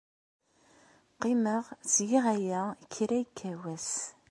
Qqimeɣ ttgeɣ aya kra yekka wass.